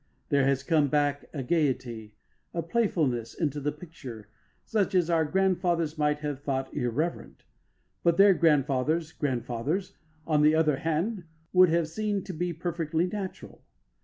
There has come back a gaiety, a playfulness, into the picture, such as our grandfathers might have thought irreverent, but their grandfathers' grandfathers, on the other hand, would have seen to be perfectly natural.